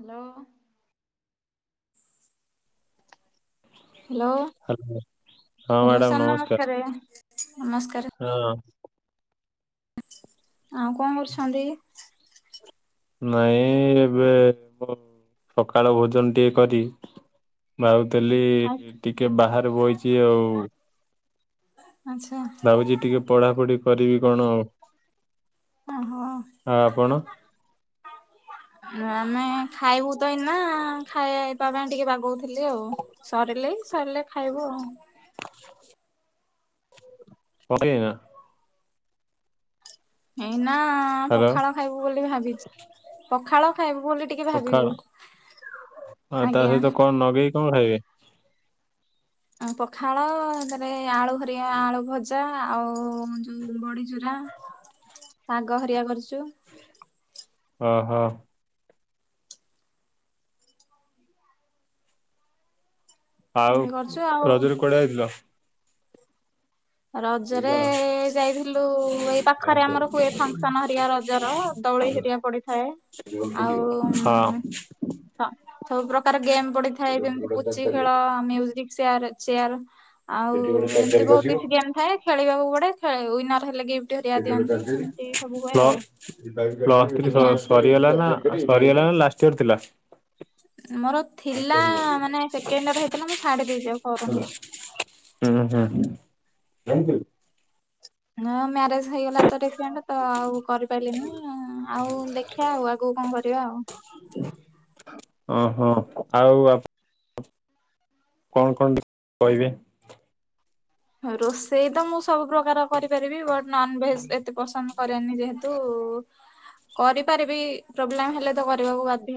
Hello. Hello ହଁ hello madam sir ନମସ୍କାର ନମସ୍କାରେ ନମସ୍କାରେ। ହଁ। ଆଉଁ କଅଁ କରୁଛନ୍ତି? ନାଇଁ ଏବେ ମୁଁ ସକାଳ ଭୋଜନ ଟିକେ କରି ଆଉ ତାଲି ଖାଇ ଟିକେ ବାହାରେ ବଇଛି ଆଉ ଆଚ୍ଛା। ଭାବୁଚି ଟିକେ ପଢାପଢି କରିବି କଣ। ଆଉ ଓହୋ। ଆପଣ। [unintelligible] ଆମେ ଖାଇବୁ ତ ଏଇନା ଖାଇଇବା ପାଇଁ ଟିକେ ବାଗଉଥିଲି ଆଉ। ସରିଲେ ସରିଲେ ଖାଇବୁ ଆଉ। [unintelligible] ପଗେ ୟାଁ। ଏଇନା ହ୍ୟାଲୋ ପଖାଳ ଖାଇବୁ ବୋଲି ଭାବିଛି ପଖାଳ ଖାଇବୁ ବୋଲି ଟିକେ ଭାବିଛୁ ପଖାଳ, ଆଉ ତା ଆଜ୍ଞା। ସହିତ କଣ ନଗେଇକି କଣ ଖାଇବେ? ଆଉ ପଖାଳ, ତାଥିରେ ଆଳୁ ହରିଆ ଆଳୁ ଭଜା ଆଉ ଯେଉ ବଡ଼ି ଚୁରା। ଶାଗ ହରିଆ କରିଛୁ। ଓହୋ। ଆଉ ଏମିତି କରିଛୁ ଆଉ ରଜରେ କୁଆଡେ ଯାଇଥିଲ? ରଜରେ ଯାଇଥିଲୁ, ଏଇ ପାଖରେ ଆମର ହୁଏ ଫଙ୍କସନ ହେରକା ରଜର ଦୋଳି ହେରିଆ ପଡିଥାଏ। ଆଉ ଉଁ ହଁ। ସବୁ ପ୍ରକାର ଗେମ୍ ପଡିଥାଏ ଯେମିତି ଚାରି ପୁଚି ଖେଳ, କସିବ ମ୍ୟୁଜିକ ଚୟାର, ଚେୟାର ଆଉ ସେଠି ଗୋଟେ ଚାରି ଚାରି ଏମିତି ବହୁତ ଆସିବ କିଛି ଗେମ୍ ଥାଏ, ଖେଳିବାକୁ ପଡ଼େ। ୱିନର ହେଲେ କି ପ୍ଲ-ପ୍ଲସ ଥ୍ରି ଆଜ୍ଞା ସରି ସରିଗଲା ନା ସରିଗଲା ନା ଲାଷ୍ଟ ଇୟର ଥିଲା? ମୋର ଥିଲା ହୁଁ ମାନେ ସେକେଣ୍ଡ ଇୟର ହେଇଥିଲା ମୁଁ ଛାଡି ଦେଇଛି ଆଉ କରୁନି। ଉଁ ହୁଁ। ନାଁ ମ୍ୟାରେଜ ହେଇଗଲା ତ ରିସେଣ୍ଟ ତ ଆଉ କରିପାରିଲିନି ଆଉ ଦେଖିବା ଆଉ ଆଗକୁ କଣ କରିବା ଆଉ। ଓହଁ ଆଉ ଆପ କଣ କଣ ଟିକେ କହିବେ? ରୋଷେଇ ତ ମୁଁ ସବୁ ପ୍ରକାର କରିପାରିବି। ବଟ୍ ନନ୍ ଭେଜ ଏତେ ପସନ୍ଦ କରେନି ଯେହେତୁ କରିପାରିବି ପ୍ରୋବ୍ଲେମ ହେଲେ ତ କରିବାକୁ ବାଧ୍ୟ।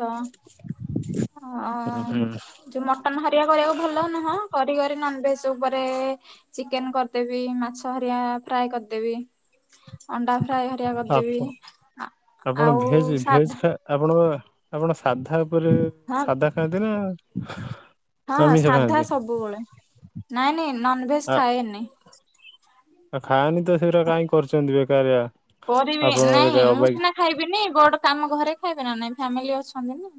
ହଁ ହୁଁ ହୁଁ ଯୋଉ ମଟନ ହରିଆ କରିବାକୁ ଭଲ ନୁହଁ, କରି କରି ନନଭେଜ୍ ଉପରେ ଚିକେନ୍ କରିଦେବି, ମାଛ ହରିଆ ଫ୍ରାଏ କରିଦେବି ଅଣ୍ଡା ଫ୍ରାଏ ହରିଆ ଆପ କରିଦେବି। ଆପଣ ଆଉ ଭେଜ ଭେଜ ସାଧା ଖା ଆପଣ ଆପଣ ସାଧା ଉପରେ ହଁ ସାଧା ଖାଆନ୍ତି ନା ହଁ ଆମିଷ ସାଧା ଖାଆନ୍ତି? ସବୁବେଳେ। ନାଇଁ ନାଇଁ ନନଭେଜ୍ ଖାଏନି। ଆଉ ଖାଆନି ତ ସେଟା କାଇହିଁ କରିଛନ୍ତି ବେକାରିଆ। କରିବି ଆପଣ ନାଇଁ ବେକାର ମୁଁ ଅବାଗି ସିନା ଖାଇବିନି ବଡ କାମ ଘରେ ଖାଇବି ନା ନାଇଁ ଫ୍ୟାମିଲି ଅଛନ୍ତି ନା।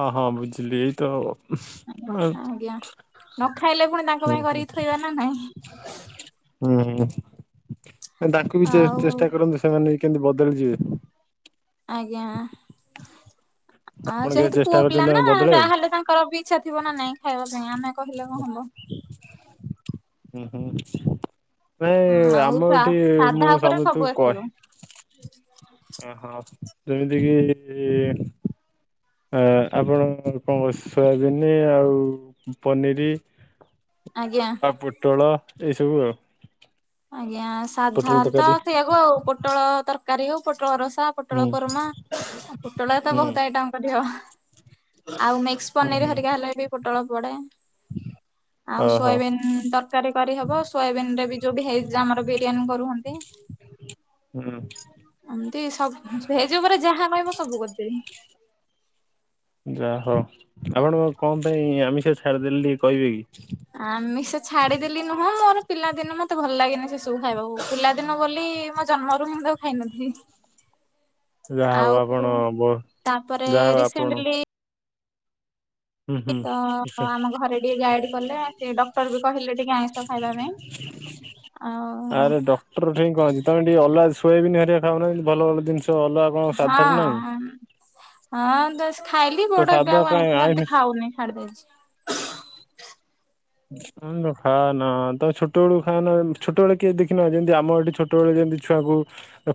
ହ ହଁ ବୁଝିଲି ଏଇ ତ ଆ ଆଜ୍ଞା। ନ ଖାଇଲେ ପୁଣି ତାଙ୍କ ପାଇଁ କରିକି ଥୋଇବା ନା ନାଇଁ। ହୁଁ ତାଙ୍କୁ ବି ଆଉ ଚେଷ୍ଟା କରନ୍ତୁ ସେମାନେ କେମିତି ବଦଳିଯିବେ। ଆଜ୍ଞା। ଆ ଆପଣ କେବେ ଯେହେତୁ ଚେଷ୍ଟା ପୁଅ ପିଲା କରିଛନ୍ତି ତାଙ୍କୁ ନା ବଦଳେଇବାକୁ ଯାହେଲେ ତାଙ୍କର ବି ଇଚ୍ଛା ଥିବ ନାଇଁ ଖାଇବା ପାଇଁ, ଆମେ କହିଲେ କଣ ହବ। ହୁଁ, ହୁଁ। ନାଇଁ ଆଉ ଆମ ସା ଏଠି ସାଧା ମୁଁ ଉପରେ ସବୁ ସମସ୍ତଙ୍କୁ ଆସିବ କହେ ଓହୋ ଯେମିତି କିି ଆପଣ କଣ ସୋୟାବିିନ ଆଉ ପନିରି ଆଜ୍ଞା। ଆଉ ପୋଟଳ ଏଇସବୁ ଆଉ। ଆଜ୍ଞା ପୋଟଳ ସାଧାରେ ତ ତରକାରୀ ସେଇଆକୁ ଆଉ ପୋଟଳ ତରକାରୀ ହଉ, ପୋଟଳ ରସା ପୋଟଳ ହୁଁ କରୋମା, ପୋଟଳ ତ ହୁଁ ବହୁତ ଆଇଟମ୍ କରିହବ। ଆଉମିକ୍ସ ହୁଁ ପନିର ହୁଁ ହରିକା ହେଲେ ବି ପୋଟଳ ପଡେ। ଆଉ ଓହୋ ସୋୟାବିନ୍ ତରକାରୀ କରିହବ। ସୋୟାବିିନ ରେ ବି ଭେଜ୍ ଆମର ବିରିୟାନୀ କରୁହନ୍ତି। ହୁଁ ଏମିତି ସବୁ ଭେଜ୍ ଉପରେ ଯାହା କହିବ ସବୁ କରିଦେବି। ଯା ହଉ। ଆପଣଙ୍କ କଣ ପାଇଁ ଆମିଷ ଛାଡ଼ିଦେଲେ ଟିକେ କହିବେ କି? ଆମିଷ ଛାଡିଦେଲି ନୁହଁ ମୋର ପିଲାଦିନ ମତେ ଭଲ ଲାଗନି ସେ ସବୁ ଖାଇବାକୁ। ପିଲାଦିନ ବୋଲି ମୋ ଜନ୍ମରୁ ହିଁ ତ ଖାଇନଥିଲି। ଯାହା ହଉ ଆପଣ ଆଉ ତାପରେ ଯାହା ହଉ ଆପଣ ରିସେଣ୍ଟଲି ହୁଁ ତ ହୁଁ ଆମ ଘରେ ଟିକେ ଗାଇଡ କଲେ ସେ ଡକ୍ଟର ବି କହିଲେ ଟିକେ ଆଇଁଷ ଖାଇବା ପାଇଁ। ଅହଁ। ରୁଟିନ୍ କଁ ଅଛି ତମେ ଟିକେ ଅଲଗା ସୋୟାବିନ ହେରିକା ଖାଉନା ଭଲ ଦିନ୍ଷ ଅଲଗା କଣ ହଁ ସାଧାରେ ନାହିଁ। ହଁ ହଁ ଦେ ଖାଇଲି ତ ବଟ୍ ଏବେ ସାଧା ଆଉ କାଇଁ ଆମିଷ ସେମ୍ତି ଆଇଁଷ ଖାଉନି ଛାଡିଦେଇଛି। ଖାଅନା ତମେ ଛୋଟବେଳୁ ଖାଅନା ଛୋଟବେଳ କିଏ ଦେଖିନ ଯେମିତି ଆମ ଏଠି ଛି ଟବେଳେ ଦିଅନ୍ତି ଛୁଆଁକୁ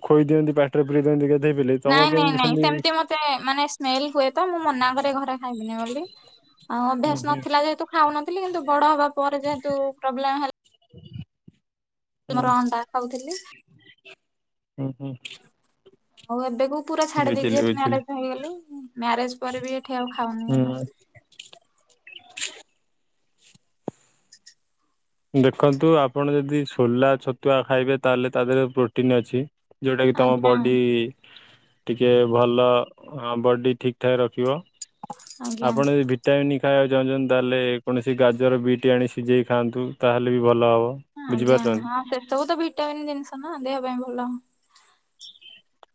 ଖୋଇ ଦିଅନ୍ତି ପାଟରେ ପୁରେଇ ଦିଅନ୍ତି ଧେଇ ପାଇଲେ ତମର କେମିତି ସେମିତି ତେମାନେ ସ୍ମେଲ୍ ହୁଏ ତ ମୁଁ ମନା କରେ ଘରେ ଖାଇବିନି ବୋଲି ଆଉ ହୁଁ ଅଭ୍ୟାସ୍ ହୁଁ ନଥିଲା ଯେହେତୁ ଖାଉନଥିଲି କିନ୍ତୁ ବଡ ହବା ପରେ ଯେହେତୁ ପ୍ରୋବ୍ଲେମ ହେ- ହୁଁ ତୁମର ଅଣ୍ଡା କହୁଥିଲି। ହୁଁ ହୁଁ। ହୋଉ ଏବେ କୁ ପୁରା ଛାଡିଦଛି ବୁଝିଲି ବୁଝିଲି। ମାରେଜ ହେଇଗଲି ମ୍ୟାରେଜ ପରେ ବି ଏଠି ଆଉ ଖାଉନି ଆଉ ମୁ। ହୁଁ ଦେଖନ୍ତୁ ଆପଣ ଯୋଦି ସୋଲା ଛତୁଆ ଖାଇବେ ତାହେଲେ ତା ଦେହରେ ପ୍ରୋଟିନ୍ ଅଛି। ଯୋଉଟା କି ତମ ଆଜ୍ଞା ବଡି ଟିକେ ଭଲ ବଡି ଠିକ୍ ଠାକ୍ ରଖିବ ଆଜ୍ଞା ଆପଣ ଯି ଟାଇମ୍ ଖାଇବାକୁ ଚାହୁଁଚନ୍ତି ତାହେଲେ କୌଣସି ଗାଜର ବିଟ୍ ଆଣି ସିଝେଇ ଖାଆନ୍ତୁ ତାହେଲେ ବି ଭଲ ହେବ।। ହଁ ଆଜ୍ଞା ହଁ ସେସବୁ ତ ଭିଟାମିନ୍ ଜିନ୍ଷ ନା ଦେହ ପାଇଁ ଭଲ।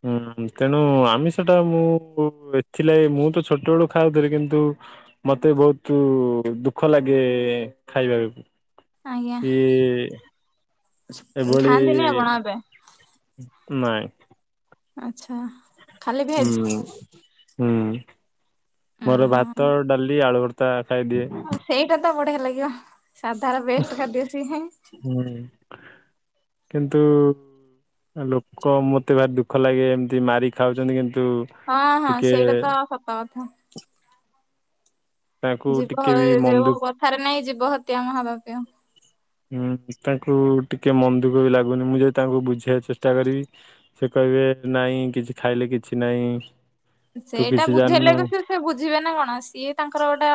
ହୁଁ ତେଣୁ ଆମିଷଟା ମୁଁ ଏଥିଲା ମୁଁ ତ ଛୋଟ ବେଳୁ ଖାଉଥିଲି କିନ୍ତୁ ମତେ ବୋହୁତୁ ଦୁଃଖ ଲାଗେ ଖାଇବାବି। ଆଜ୍ଞା କି ଏଭଳି ଖାଆନ୍ତିନି ଆପଣ ଏବେ ନାଇଁ। ଆଚ୍ଛା। ଖାଲି ଭେଜ। ହୁଁ ହୁଁ ହୁଁ। ଉଁ ମୋର ହଁ ଭାତ ଡାଲି ଆଳୁଭର୍ତା ଖାଇଦିଏ। ଆଉ ସେଇଟା ତ ବଢିଆ ଲାଗିବ ସାଧା ବେଷ୍ଟ୍ ଖାଦ୍ୟ ସିଏ। ହୁଁ କିନ୍ତୁ ଲୋକ ମତେ ଭାରି ଦୁଃଖ ଲାଗେ ଏମ୍ତି ମାରି ଖାଉଚନ୍ତି କିନ୍ତୁ ହଁ ହଁ ଟିକେ ସେଇଟା ତ ସତା କଥା। ତାଙ୍କୁ ଯିବ ଟିକେ ବି ଏ ମନ ଦୁଃଖ ଯୋଉ କଥାରେ ନାଇଁ ଯିବ ହତି ଆ ମହା ପାପ୍ୟ। ହୁଁ ତାଙ୍କୁ ଟିକେ ମନ୍ଦୁକ ବି ଲାଗୁନି ମୁଁ ଯଦି ତାଙ୍କୁ ବୁଝେଇ ଚେଷ୍ଟା କରିବି। ସେ କହିବେ ନାଇଁ କିଛି ଖାଇଲେ କିଛି ନାହିଁ। ସେଇଟା ବୁଝେଇଲେବି ସେ ସେ ବୁଝିବେ ନା କଣ ସିଏ ତାଙ୍କର ଗୋଟେ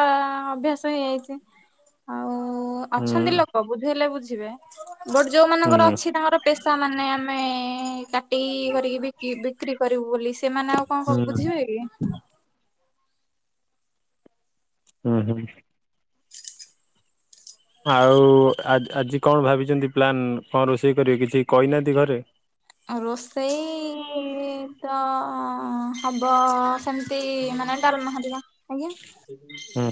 ଅଭ୍ୟାସ ହେଇଯାଇଚି। ଆଉ ହୁଁ ଅଛନ୍ତି ଲୋକ ବୁଝେଇଲେ ବୁଝିବେ ବଟ୍ ଯୋଉ ହୁଁ ମାନଙ୍କର ଅଛି ତାଙ୍କର ପେସାମାନୋନ ଆମେ କାଟି କରିକି ବିକି ବିକ୍ରି କରିବୁ ବୋଲି ସେମାନେ ଆଉ କଁ ହୁଁ କୋଉ ଇ ଉ ହୁଁ। ଆଉ ଆଜି ଆଜି କଣ ଭାବିଛନ୍ତି ପ୍ଲାନ୍ କଣ ରୋଷେଇ କରିବେ କିଛି କହିନାହାନ୍ତି ଘରେ? କଁ ରୋଷେଇ ତ ହବ ସେମିତି ମାନେ ଡାଲ୍ମା ହରିକା ଆଜ୍ଞା। ହୁଁ।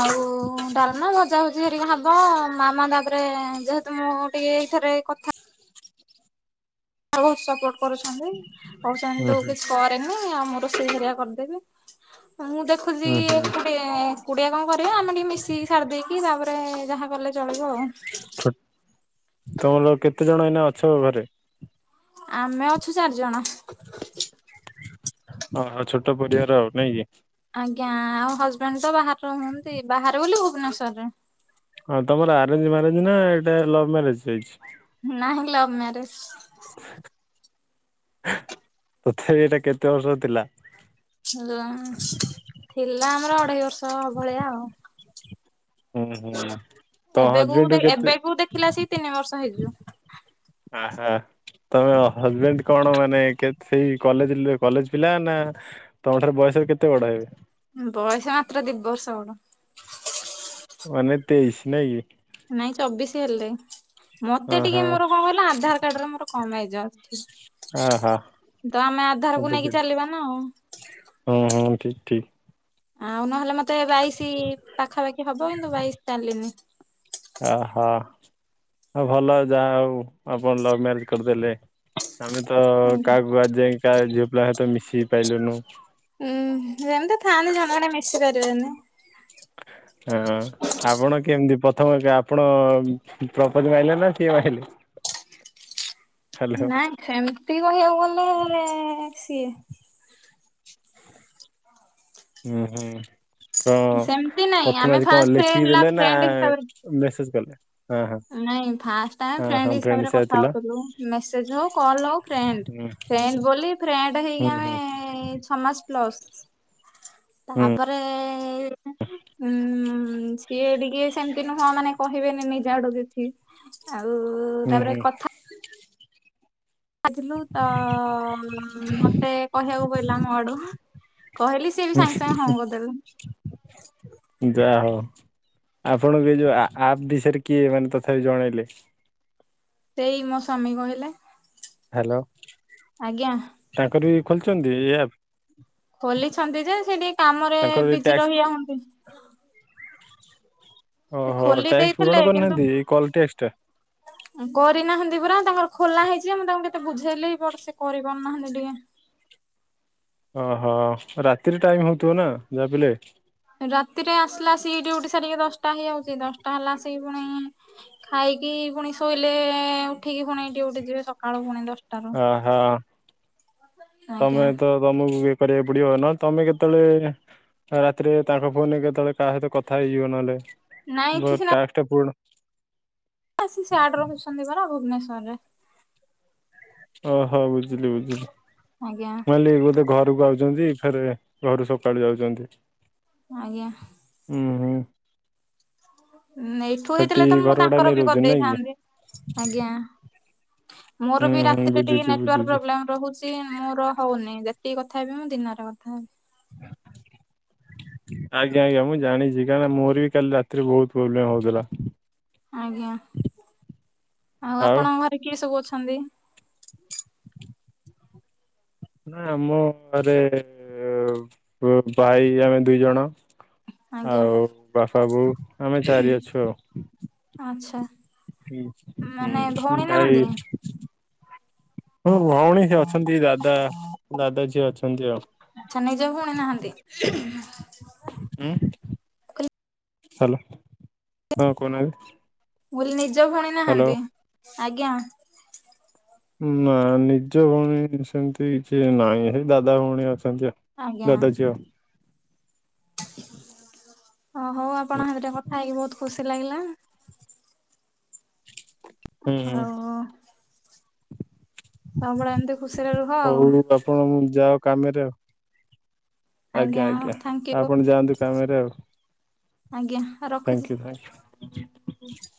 ଆଉ ଡାଲ୍ ମା ଭଜା ଭଜି ହରିକି ହବ ମାମା ତାପରେ ଯେହେତୁ ମୁଁ ଏ ଏଇଥରେ କଥା ତ୍ ସପୋର୍ଟ କରୁଛନ୍ତି କହୁଛନ୍ତିଛନ୍ତି ହୁଁ ତୁ ହୁଁ କିଛି କରେନି ଆମ ରୋସେଇ ହରିଆ। କରିଦେବ ଆଉ ମୁଁ ଦେ ଉ ହୁଁ। କୁଡିଆ କଁ କରିବା ଆମେ ଟିକେ ମିଶିକି ସାରି ଦେଇେଇକି ତାପରେ ଯାହା କଲେ ଚଳିବ ଆଉ। ତମର କେତେ ଜଣ ଏଇନା ଅଛ ଘରେ? ଆମେ ଅଛୁ ଚାରି ଜଣ। ହ ଛୋଟ ପରିବାର ଆଉ ନାଇଁ କି। ଆଜ୍ଞା ଆଉ ହଜବେଣ୍ଡ୍ ତ ବାହରେ ରୁହନ୍ତି ବାହାରେ ବୋଲି ଭୁବନେଶ୍ଵରରେ। ହଁ ତମର ଆରେଞ୍ଜ ମ୍ୟାରେଜ ନା ଏଟେ ଲଭ ମ୍ୟାରେଜ ହେଇଛି? ନାହିଁ ଲଭ ମ୍ୟାରେଜ। ତଥାପି ଏଇଟା କେତେ ବର୍ଷ ଥିଲା। ହ ଥିଲା ଆମର ଅଢେଇ ବର୍ଷ ଭଳିଆ ଆଉ। ହୁଁ ହୁଁ ତମ ଏବେକୁ ଦେ ହଜବେଣ୍ଡକୁ କେତେ ଏବେକୁ ଦେଖିଲା ଆସିକି ତିନି ବର୍ଷ ହେଇଯିବ ଆ ହା। ତମେ ହଜବେଣ୍ଡ କଣ ମାନେ କେତ ସେଇ କଲେଜ କଲେଜ ପିଲା ନା ତମଠାରେ ବୟସରେ କେତେ ବଡ ହେବେ? ବୟସ ମାତ୍ର ଦି ବର୍ଷ ବଡ଼। ମାନେ ତେଇଶ ନାଇଁକି। ନାଇଁ ଚବିଶି ହେଲେ। ମତେ ଟିକେ ଓହୋ ମୋର କଣ କହିଲା ଆଧାର କାର୍ଡରେ ମୋର କମ ଏଜ୍ ଅଛି। ଆହା ତ ଆମେ ଆଧାରକୁ ନେଇକି ବୁଝିଲି ଚାଲିବା ନା ଆଉ। ହୁଁ ହୁଁ ଠିକ୍ ଠିକ। ଆଉ ନହେଲେ ମତେ ବାଇଶ ପାଖାପାଖି ହବ କିନ୍ତୁ ବାଇଶ ଚାଲିନି। ଓହୋ। ହଁ ଭଲ ଯାହା ଆଉ ଆପଣ ଲଭ୍ ମ୍ୟାରେଜ କରିଦେଲେ। ଆମେ ତ ଆଜ୍ଞା। କାହାକୁ ଆଜି ଯାଇ କାହା ଝିଅ ପିଲା ସହ ମିଶିବି ପାଇଲୁନୁ। ଉୁଁ ଏମିତି ଥାଆନ୍ତି ଜଣେ ଜଣେ ମିଶି ପାରିବେନି। ହଁ। ଆପଣ କେମିତି ପ୍ରଥମ ଆପଣ ପ୍ରୋପୋଜ ମାଇଲେ ନା ସିଏ ମାଇଲେ? ହ୍ୟାଲୋ ନାଇଁ ସେମତି କହିବାକୁ ଗଲେ ସିଏ। ହୁଁ ହୁଁ କଣ ସେମିତି ନାଇଁ ପ୍ରଥମେ ଆମେ ଆଜି କଣ ଫାଷ୍ଟ ଲେଖିକି ହେଲା ଦେଲେ ନା ଫ୍ରେଣ୍ଡ ହିସାବରେ ମେସେଜ କଲେ। ହଁ ହଁ ନାଇଁ ଫାର୍ଷ୍ଟ ଆମେ ହଁ ହଁ ଫ୍ରେଣ୍ଡ ହିସାବରେ କଥା ଥିଲ ହଉଥିଲୁ ମେସେଜ ହଉ କଲ ହଉ ଫ୍ରେଣ୍ଡ। ହୁଁ ଫ୍ରେଣ୍ଡ ବୋଲି ଫ୍ରେଣ୍ଡ ହୁଁ ହେଇକି ହୁଁ ଆମେ ଛଅ ମାସ ପ୍ଲସ। ହୁଁ ତାପରେ ଉଁ ସିଏ ଟିକେ ଇଏ ସେମିତି ନୁହଁ ମାନେ କହିବେନି ନିଜ ଆଡୁ କିଛି ଆଉ ହୁଁ ତାପରେ ହୁଁ କଥା। ବାଜିଲୁ ତ ମତେ କହିବାକୁ ପଡିଲା ମୋ ଆଡୁ କହିଲି। ସିଏ ବି ସାଙ୍ଗେ ସାଙ୍ଗେ ହଁ କରିଦେଲେ। ଯାହା ହଉ ଆପଣଙ୍କୁ ଏ ଯୋଉ ଆପ୍ ବିଷୟରେ କିଏ ମାନେ ତଥାପି ଜଣେଇଲେ। ସେଇ ମୋ ସ୍ୱାମୀ କହିଲେ। ହ୍ୟାଲୋ ଆଜ୍ଞା। ତାଙ୍କର ବି ଖୋଲିଛନ୍ତି ଏ ଆପ? ଖୋଲିଛନ୍ତି ଯେ ସେଠି କାମରେ ଏଇ ବିଜି ଟ୍ୟାକ୍ସ ରହି ଯାଆନ୍ତି। ସେ ଓହୋ ଖୋଲି ଟ୍ୟାକ୍ସ ପୂରଣ ଦେଇଥିଲେ କିନ୍ତୁ କରିନାହାନ୍ତି ଏଇ କଲ୍ ଟ୍ୟାକ୍ସ ଟା କରିନାହାନ୍ତି ପୁରା ତାଙ୍କର ଖୋଲା ହେଇଛି ଯେ ମୁଁ ତାଙ୍କୁ କେତେ ବୁଝେଇଲି ବଟ ସେ କରିପାରୁନାହାନ୍ତି ଟିକେ ଓହୋ ରାତିରେ ଟାଇମ ହଉଥିବ ନା ଯାହା ପିଲେ ରାତିରେ ଆସିଲା ଆସିକି ଡିଉଟି ସାରିକି ଦଶଟା ହେଇଯାଉଛି ଦଶଟା ହେଲା ଆସିକି ପୁଣି ଖାଇକି ପୁଣି ଶୋଇଲେ ଉଠିକି ପୁଣି ଡ୍ୟୁଟି ଯିବେ ସକାଳୁ ପୁଣି ଦଶ ଅହ ଆଜ୍ଞା ତମେ ତ ତମକୁ କିଏ କରିବାକୁ ପଡିବ ନହେଲେ ତମେ କେତେବେଳେ ରାତିରେ ତାଙ୍କ ଫୋନରେ କେତେବେଳେ କାହା ସହିତ କଥା ହେଇଯିବ ନହେଲେ ନାଇଁ ଏଠି ଟ୍ୟାକ୍ସ ଟା ପୂର୍ଣ୍ଣ ଆ ସିଆଡେ ରହୁଛନ୍ତି ପରା ଭୁବନେଶ୍ୱରରେ ଓହୋ ବୁଝିଲି ବୁଝିଲି। ଆଜ୍ଞା। ମୁଁ ଭାବିଲି ବୋଧେ ଘରକୁ ଆଉଛନ୍ତି ଫେର ଘରୁ ସକାଳୁ ଯାଉଛନ୍ତି। ଆଜ୍ଞା। ହୁଁ। ଏଇଠୁ ସେଠି ହେଇଥିଲେ ତ ମୁଁ ଘର ଭଡା ତାଙ୍କର ନେଇ ବି କରି ରହୁଛନ୍ତି ନାଇଁ କି? ଦେଇଥାନ୍ତି। ଆଜ୍ଞା ମୋର ହୁଁ ବି ହୁଁ ରାତିରେ ବି ଟିକେ ବୁଝୁଛି ନେଟୱାର୍କ ବୁଝୁଛି। ପ୍ରୋବେଲମ ରହୁଛି। ସେ ମୋର ହଉନି ଯେତିକି କଥା ହେବି ମୁଁ ଦିନରେ କଥା ହେବି। ଆଜ୍ଞା ଆଜ୍ଞା ମୁଁ ଜାଣିଛି କାହିକିନା ମୋର ବି କାଲି ରାତିରେ ବହୁତ ପ୍ରୋବ୍ଲେମ ହଉଥିଲା। ଆଜ୍ଞା ଆଉ ଆଉ ଆପଣଙ୍କ ଘରେ କିଏ ସବୁ ଅଛନ୍ତି! ନା ଆମ ଘରେ ଭାଇ ଆମେ ଦୁଇ ଜଣ। ଆଜ୍ଞା ଆଉ ବାପା ବୋଉ ଆମେ ଚାରି ଅଛୁ ଆଉ। ଆଛା। ହୁଁ ହୁଁ ଭାଇ ହଁ ଭଉଣୀ ଅଛନ୍ତି ଦାଦା ଦାଦା ଝିଅ ଅଛନ୍ତି। ଆଚ୍ଛା ନିଜ ଭଉଣୀ ସେମିତି ନାହାନ୍ତି ମୁଁ ଆଉ। ହୁଁ ହ୍ୟାଲୋ ହଁ କହୁନାହାନ୍ତି। ମୁଁ କହିଲି ନିଜ ଭଉଣି ହ୍ୟାଲୋ। ନାହାନ୍ତି ଆଜ୍ଞା। ନା ନିଜ ଭଉଣୀ ସେମତି କିଛି ନାହିଁ ସେଇ ଦାଦା ଭଉଣୀ ଅଛନ୍ତି ଜା। ଆଜ୍ଞା ଦାଦା ଝିଅ। ଓ ହଉ ଆପଣ ସାଥିରେ କଥା ହେଇକି ବହୁତ ଖୁସି ଲାଗିଲା। ହୁଁ। ଆଉ ସବୁବେଳେ ଏମିତି ଖୁସିରେ ରୁହ ଆଉ। ହଁ ହଉ ଯାଅ କାମରେ ଆଉ। ଆଜ୍ଞା ଆଜ୍ଞା ଥ୍ୟାଙ୍କ ୟୁ ଆପଣ ଯାଆନ୍ତୁ କାମରେ ଆଉ। ଆଜ୍ଞା। ରଖୁଛି। Thank you thank you.